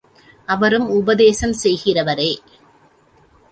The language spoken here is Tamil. அவரும் உபதேசம் செய்கிறவரே.